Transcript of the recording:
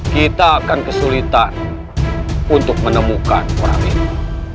kita akan kesulitan untuk menemukan orang itu